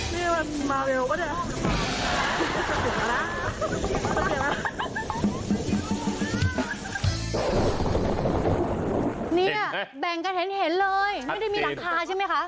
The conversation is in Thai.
เนี่ยแบ่งกันเห็นเลยไม่ได้มีหลังคาใช่ไหมคะ